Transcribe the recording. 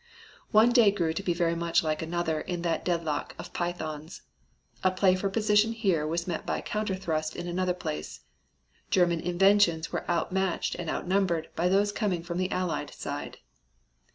One day grew to be very much like another in that deadlock of pythons. A play for position here was met by a counter thrust in another place. German inventions were out matched and outnumbered by those coming from the Allied side.